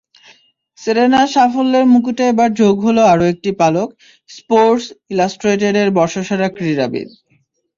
সেরেনার সাফল্যের মুকুটে এবার যোগ হলো আরও একটি পালক—স্পোর্টস ইলাস্ট্রেটেড-এর বর্ষসেরা ক্রীড়াবিদ।